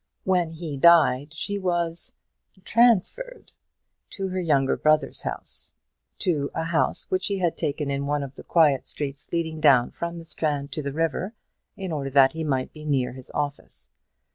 When he died, she was transferred to her younger brother's house, to a house which he had taken in one of the quiet streets leading down from the Strand to the river, in order that he might be near his office.